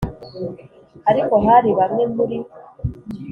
Ariko hari bamwe muri